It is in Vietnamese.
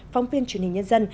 phóng viên truyền hình nhân dân